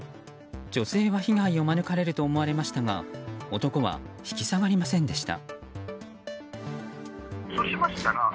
女性は被害を免れると思われましたが男は引き下がりませんでした。